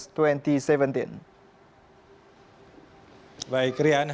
baik rian hastri saat ini di royal golf halim jakarta timur masih tetap berlangsung pertandingan ini